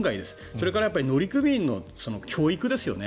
それから乗組員の教育ですよね。